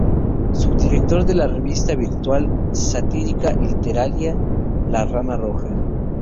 Subdirector de la revista virtual satírica literaria "La Rana Roja".